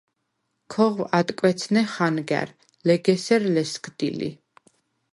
ქოღვ ადკვეცნე ხანგა̈რ, ლეგ ესერ ლესგდი ლი.